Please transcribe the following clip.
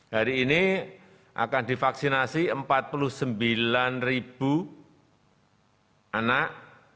hari ini akan divaksinasi empat puluh sembilan anak